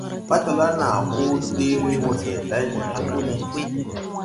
Patala naa hoo ɗeere, wose day go taŋgu ne.